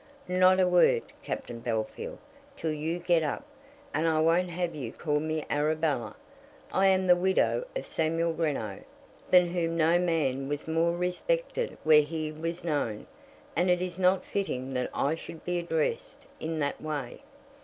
"Not a word, Captain Bellfield, till you get up; and I won't have you call me Arabella. I am the widow of Samuel Greenow, than whom no man was more respected where he was known, and it is not fitting that I should be addressed in that way."